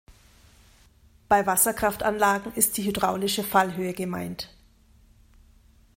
Bei Wasserkraftanlagen ist die hydraulische Fallhöhe gemeint.